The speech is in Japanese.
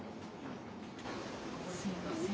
すいません。